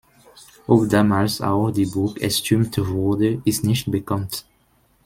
Ob damals auch die Burg erstürmt wurde, ist nicht bekannt.